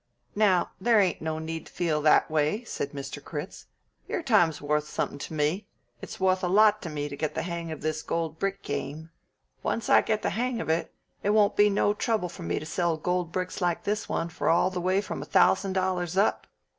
"Now, there ain't no need to feel that way," said Mr. Critz. "Your time's wuth somethin' to me it's wuth a lot to me to get the hang of this gold brick game. Once I get the hang of it, it won't be no trouble for me to sell gold bricks like this one for all the way from a thousand dollars up.